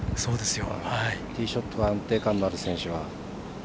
ティーショットの安定感のある選手は。